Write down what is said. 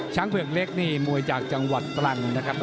เผือกเล็กนี่มวยจากจังหวัดตรังนะครับ